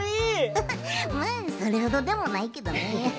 フフッそれほどでもないけどね。